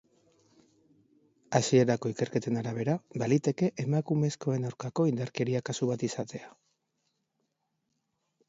Hasierako ikerketen arabera, baliteke emakumezkoen aurkako indarkeria kasu bat izatea.